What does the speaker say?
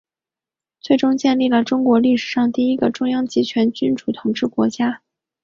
最终建立了中国历史上第一个中央集权君主统治国家。